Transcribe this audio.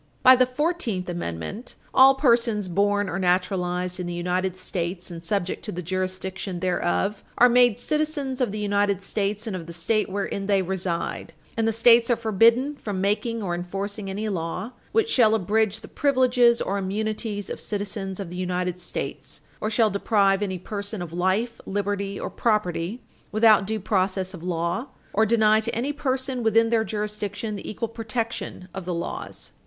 By the Fourteenth Amendment, all persons born or naturalized in the United States and subject to the jurisdiction thereof are made citizens of the United States and of the State wherein they reside, and the States are forbidden from making or enforcing any law which shall abridge the privileges or immunities of citizens of the United States, or shall deprive any person of life, liberty, or property without due process of law, or deny to any person within their jurisdiction the equal protection of the laws.